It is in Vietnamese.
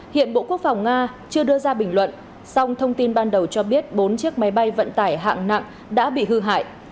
hiện bộ quốc phòng nga chưa đưa ra bình luận song thông tin ban đầu cho biết bốn chiếc máy bay vận tải hạng nặng đã bị hư hại